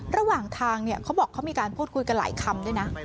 ระหว่างทางเขาบอกเขามีการพูดคุยกันหลายคำด้วยนะ